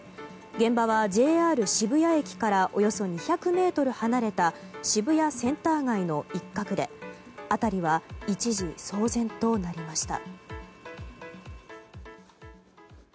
現場はＪＲ渋谷駅からおよそ２００ｍ離れた渋谷センター街の一角で辺りは一時騒然となりました。